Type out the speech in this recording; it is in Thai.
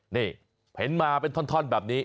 นี่เห็นมาเป็นท่อนแบบนี้